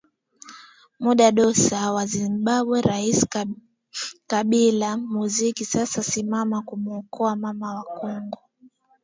mudi dosa wa zambia rais kabila muziki sasa simama kumuokoa mama wa congo